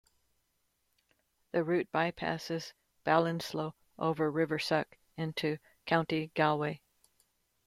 The route bypasses Ballinasloe over River Suck into County Galway.